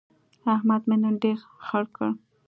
احمد مې نن ډېر خړ کړ.